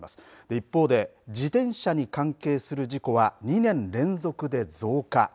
一方で自転車に関係する事故は２年連続で増加。